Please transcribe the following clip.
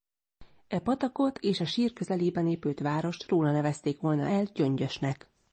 E patakot és a sír közelében épült várost róla nevezték volna el Gyöngyösnek.